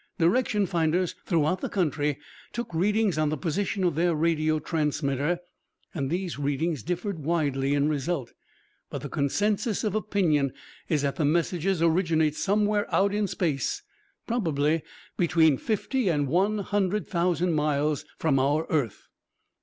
Direction finders throughout the country took readings on the position of their radio transmitter and these readings differed widely in result. But the consensus of opinion is that the messages originate somewhere out in space, probably between fifty and one hundred thousand miles from our earth."